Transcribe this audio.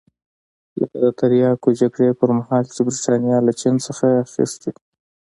لکه د تریاکو جګړې پرمهال چې برېټانیا له چین څخه اخیستي وو.